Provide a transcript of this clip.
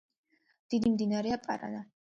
დიდი მდინარეა პარანა.